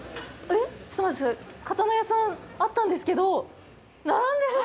えっ、刀屋さん、あったんですけど並んでる！？